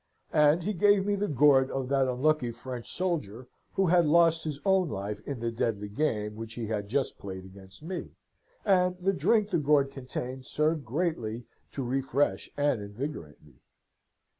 And he gave me the gourd of that unlucky French soldier, who had lost his own life in the deadly game which he had just played against me, and the drink the gourd contained served greatly to refresh and invigorate me.